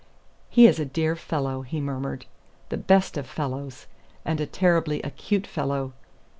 "He is a dear fellow," he murmured. "The best of fellows. And a terribly acute fellow.